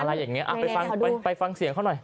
อะไรอย่างนี้ไปฟังไปฟังเสียงเขาหน่อย